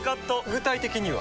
具体的には？